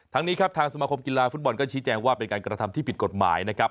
นี้ครับทางสมาคมกีฬาฟุตบอลก็ชี้แจงว่าเป็นการกระทำที่ผิดกฎหมายนะครับ